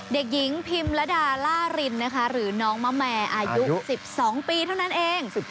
เด็กหญิงพิมพ์ลดารล่ารินน้องมะแมอายุ๑๒ปีเท่านั้นเอง